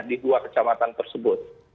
di dua kecamatan tersebut